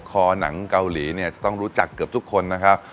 หนังเกาหลีเนี่ยจะต้องรู้จักเกือบทุกคนนะครับ